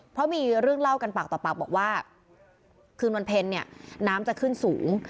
เพราะมีเรื่องเล่ากันปากต่อปากบอกว่าคืนวันเพ็ญเนี่ยน้ำจะขึ้นสูง